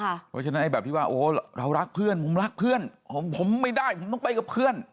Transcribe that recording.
เพราะฉะนั้นแบบที่ว่าโอ้เรารักเพื่อนผมรักเพื่อนผมไม่ได้ผมต้องไปกับเพื่อน